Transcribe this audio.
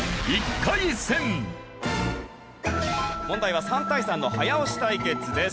問題は３対３の早押し対決です。